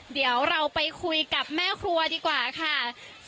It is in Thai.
เดี๋ยวเราไปคุยกับแม่ครัวดีกว่าค่ะ